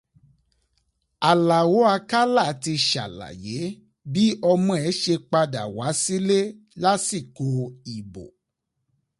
Àlàó Akálà ti ṣàlàyé bí ọmọ ẹ̀ ṣe padà wá sílé lásìkò ìbò.